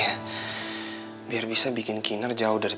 apa gue lagi nggak dusuh tuh he'eh